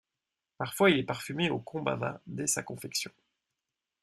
Parfois, il est parfumé au combava dès sa confection.